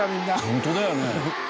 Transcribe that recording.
ホントだよね。